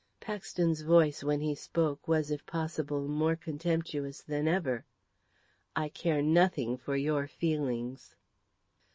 Paxton's voice, when he spoke, was, if possible, more contemptuous than ever. "I care nothing for your feelings."